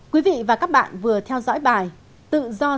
quý vị và các bạn vừa theo dõi bài tự do sáng tạo hay lành mạnh